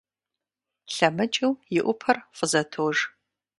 ЛъэмыкӀыу и Ӏупэр фӀызэтож.